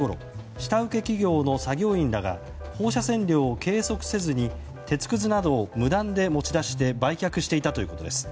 下請け企業の作業員らが放射線量を計測せずに鉄くずなどを無断で持ち出して売却していたということです。